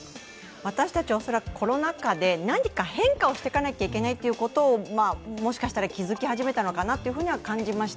私たちは恐らくコロナ禍で何か変化をしていかなくちゃいけないということをもしかしたら気づき始めたのかなと感じました。